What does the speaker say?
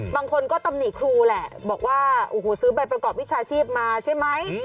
บางคนก็ตำหนิครูแหละบอกว่าโอ้โหซื้อใบประกอบวิชาชีพมาใช่ไหม